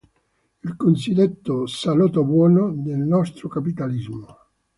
Il cosiddetto "salotto buono" del nostro capitalismo.